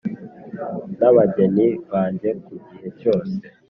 na abageni banjye ku gihe cyose.